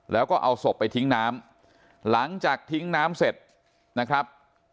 แล้วก็เอาศพไปทิ้งน้ำหลังจากทิ้งน้ำเสร็จนะครับ